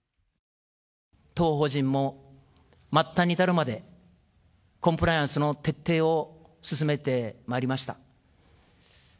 当法人も末端に至るまで、コンプライアンスの徹底を進めてまいりました。